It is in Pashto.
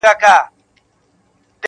هر یوه خپل په وار راوړي بربادې وې دلته-